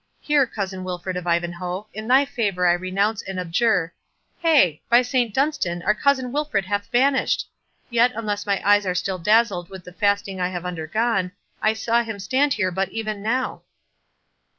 —Here, cousin Wilfred of Ivanhoe, in thy favour I renounce and abjure— Hey! by Saint Dunstan, our cousin Wilfred hath vanished!—Yet, unless my eyes are still dazzled with the fasting I have undergone, I saw him stand there but even now."